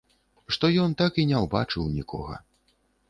Што ён так і не ўбачыў нікога.